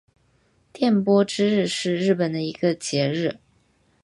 电波之日是日本的一个节日。